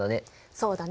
そうだね。